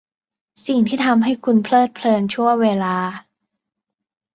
สิ่งที่ทำให้คุณเพลิดเพลินชั่วเวลา